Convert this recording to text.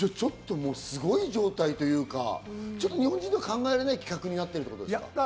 すごい状態というか、日本人の考えられない規格になってるってことですか？